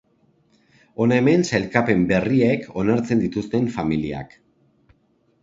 Hona hemen sailkapen berriek onartzen dituzte familiak.